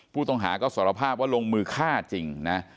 ผู้ต้องหาก็สารภาพว่าลงมือฆ่าจริงนะ